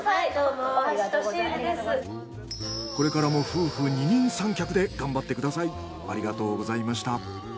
これからも夫婦二人三脚で頑張ってください。